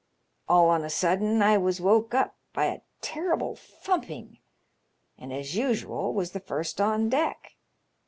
All on a sudden I was woke up by a terrible thumping, and as usual was the first on deck.